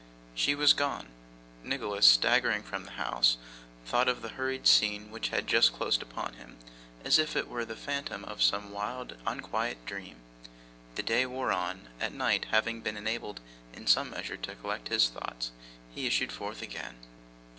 She was gone. Nicholas, staggering from the house, thought of the hurried scene which had just closed upon him, as if it were the phantom of some wild, unquiet dream. The day wore on; at night, having been enabled in some measure to collect his thoughts, he issued forth again.